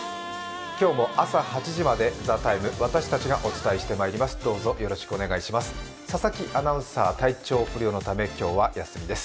今日も朝８時まで「ＴＨＥＴＩＭＥ，」私たちがお伝えしてまいります。